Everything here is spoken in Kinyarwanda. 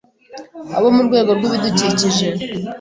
abo mu rwego rw’ibidukikije